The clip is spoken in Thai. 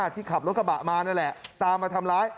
ที่ขับรถกระบะมานั่นแหละตามมาทำร้าย